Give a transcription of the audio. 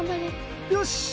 よし。